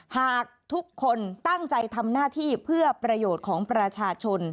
หากทุกคนตั้งใจทำหน้าที่เพื่อประโยชน์ของประชาชน